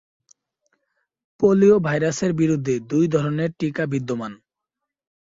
Polio ভাইরাসের বিরুদ্ধে দুই ধরনের টিকা বিদ্যমান।